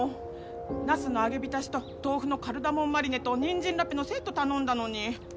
ナスの揚げ浸しと豆腐のカルダモンマリネとニンジンラペのセット頼んだのに。